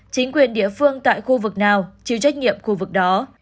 chính quyền địa phương tại khu vực nào chịu trách nhiệm khu vực đó